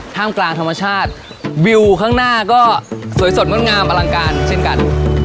กลางธรรมชาติวิวข้างหน้าก็สวยสดงดงามอลังการเช่นกัน